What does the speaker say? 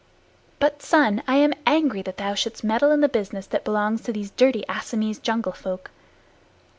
But, son, I am angry that thou shouldst meddle in the business that belongs to these dirty Assamese jungle folk.